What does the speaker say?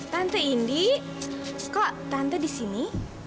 tante indi kok tante di sini